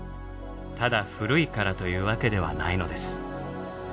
ただ古いからというわけではないのです。